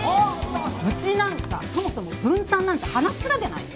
うちなんかそもそも分担なんて話すら出ないよ